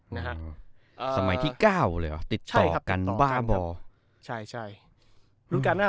นะฮะอ่าสมัยที่เก้าเลยเหรอติดต่อกับการบ้าบ่อใช่ใช่รุ่นการหน้า